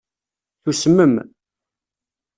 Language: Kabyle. Tusmem.